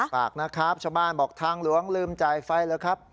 ปากนะครับชาวบ้านบอกทางหลวงลืมจ่ายไฟเหรอครับ